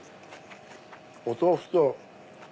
お豆腐と。